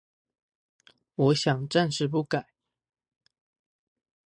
我想暫時不改